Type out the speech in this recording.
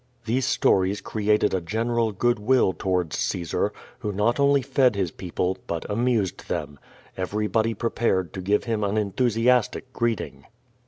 These stories created a general good will towards Caesar, who not only fed his people, but amused them. Ever}'^body prepared to give him an enthusiastic greet ing.